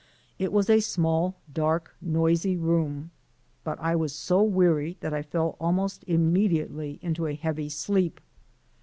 It was a small, dark, noisy room, but I was so weary that I fell almost immediately into a heavy sleep.